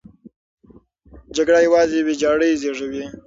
جګړه یوازې ویجاړۍ زېږوي.